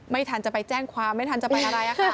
ไม่ทันจะไปแจ้งความไม่ทันจะเป็นอะไร